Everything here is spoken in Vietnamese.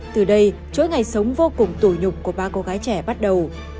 từ đây chối ngày sống vô cùng tủ nhục của ba cô gái trẻ bắt đầu